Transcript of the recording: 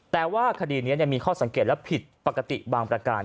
แต่ว่าคดีนี้มีข้อสังเกตและผิดปกติบางประการ